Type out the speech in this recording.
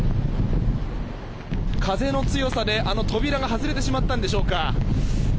風の強さであの扉が外れてしまったんでしょうか。